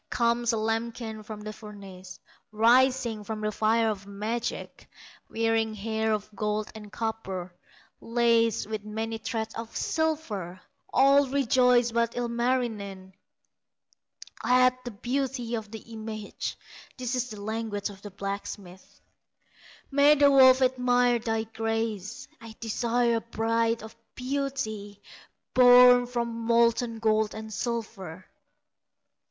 Comes a lambkin from the furnace, Rising from the fire of magic, Wearing hair of gold and copper, Laced with many threads of silver; All rejoice but Ilmarinen At the beauty of the image. This the language of the blacksmith: "May the wolf admire thy graces; I desire a bride of beauty Born from molten gold and silver!"